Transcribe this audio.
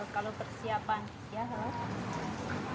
kalau persiapan ya halo